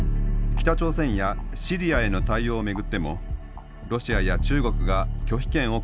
北朝鮮やシリアへの対応を巡ってもロシアや中国が拒否権を行使。